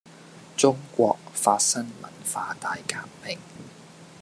中國發生文化大革命